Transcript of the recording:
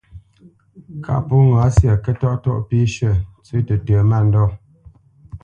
Kâʼ pó ŋǎ syâ, kə́tɔ́ʼtɔ́ʼ pî shʉ̂, ntsə́ tətə mândɔ̂,